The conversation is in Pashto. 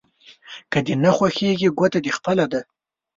که دې نه خوښېږي ګوته دې خپله ده.